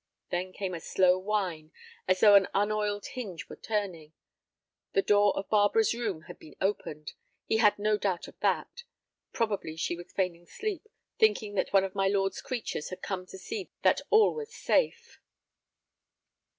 Then came a slow whine, as though an unoiled hinge were turning. The door of Barbara's room had been opened; he had no doubt of that. Probably she was feigning sleep, thinking that one of my lord's creatures had come to see that all was safe.